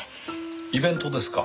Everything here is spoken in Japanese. イベントですか？